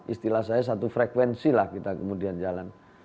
istilah saya satu frekuensi lah kita kemudian jalan